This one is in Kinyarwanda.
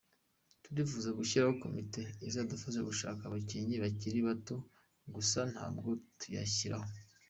Turifuza gushyiraho komite izadufasha gushaka abakinnyi bakiri bato gusa ntabwo turayishyiraho.